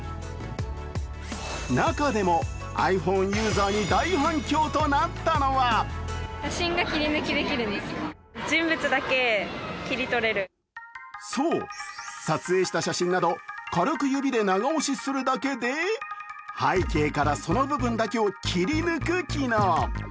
中でもｉＰｈｏｎｅユーザーに大反響となったのがそう、撮影した写真など軽く指で長押しするだけで背景から、その部分だけを切り抜く機能。